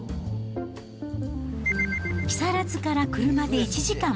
木更津から車で１時間。